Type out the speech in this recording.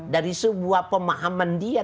dari sebuah pemahaman dia